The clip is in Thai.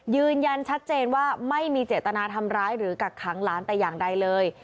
ยืนยันชัดเจนว่าไม่มีเจตนาทำร้ายหรือกักขังหลานแต่อย่างใดเลย